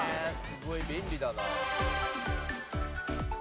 すごい。便利だな。